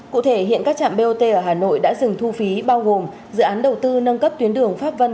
cụ thể hiện các trạm bot ở hà nội đã dừng thu phí bao gồm dự án đầu tư nâng cấp tuyến đường pháp vân